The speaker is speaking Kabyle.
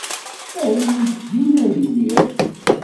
Err-iyi din ad iliɣ.